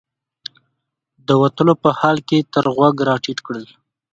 د وتلو په حال کې یې تر غوږ راټیټ کړل.